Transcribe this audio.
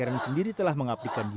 dan juga olimpiade